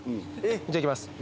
じゃあいきます